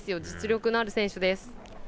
実力のある選手です。